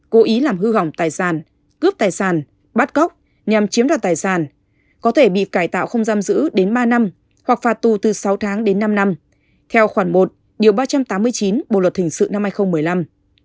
không giam giữ đến ba năm hoặc phạt tù từ sáu tháng đến năm năm theo khoản một điều ba trăm tám mươi chín bộ luật thình sự năm hai nghìn một mươi năm